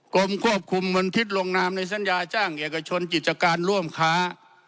กรมควบคุมมลพิษลงนามในสัญญาจ้างเอกชนกิจการร่วมค้า